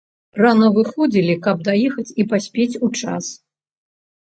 Рана выходзілі, каб даехаць і паспець у час.